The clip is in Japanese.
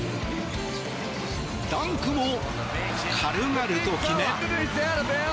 ダンクも軽々と決め。